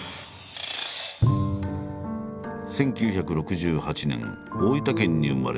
１９６８年大分県に生まれた川。